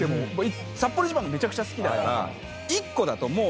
サッポロ一番めちゃくちゃ好きだから１個だともう。